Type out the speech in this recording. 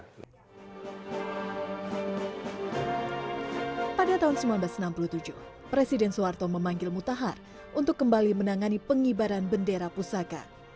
pada tahun seribu sembilan ratus enam puluh tujuh presiden soeharto memanggil mutahar untuk kembali menangani pengibaran bendera pusaka